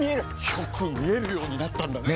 よく見えるようになったんだね！